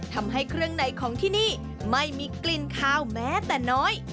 ทำให้เครื่องในของที่นี่ไม่มีกลิ่นคาวแม้แต่น้อย